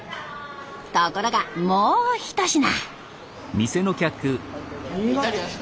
ところがもうひと品！